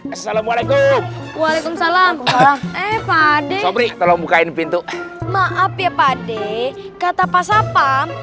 assalamualaikum waalaikumsalam eh pade sopri kalau bukain pintu maaf ya pade kata pasapam